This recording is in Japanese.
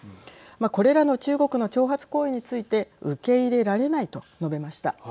これらの中国の挑発行為について受け入れられないと述べました。